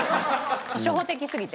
初歩的すぎて？